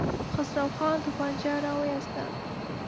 خسرو خان توپانچه را وايسته.